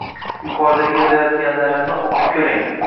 Yuqoridagi yozayotganlarimni o’qib ko‘ring.